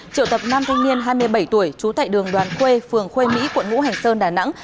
triệu tập năm thanh niên hai mươi bảy tuổi trú tại đường đoàn khuê phường khuê mỹ quận ngũ hành sơn đà nẵng